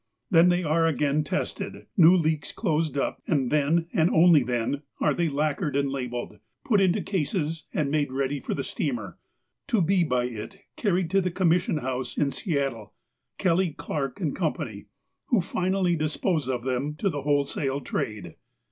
Then, they are again tested, new leaks closed up, and then, and only then, are they lacquered and labelled, put into cases and made ready for the steamer, to be by it carried to the commission house in Seattle (Kelly, Clark & Com pany), who finally dispose of them to the wholesale trade.